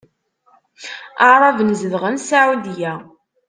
Aɛṛaben zedɣen Saɛudya.